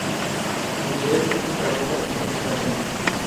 Michael estuvo casado en dos oportunidades.